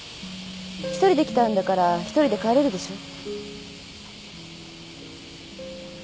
１人で来たんだから１人で帰れるでしょ。